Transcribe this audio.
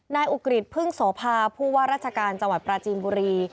นายอุกฤษพึ่งโสภาผู้ว่าราชการจังหวัดปราจีนบุรี